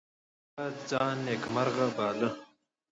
هغه ځان نیکمرغه باله.